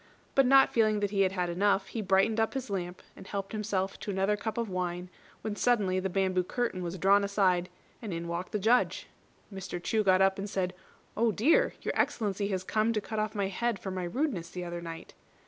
But not feeling that he had had enough, he brightened up his lamp, and helped himself to another cup of wine, when suddenly the bamboo curtain was drawn aside, and in walked the Judge. Mr. Chu got up and said, "Oh, dear! Your Excellency has come to cut off my head for my rudeness the other night."